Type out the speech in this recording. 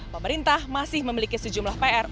pemerintah masih memiliki sejumlah pr